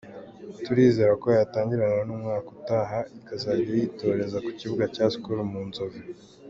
Turizera ko yatangirana n’umwaka utaha ikazajya yitoreza ku kibuga cya Skol mu Nzove.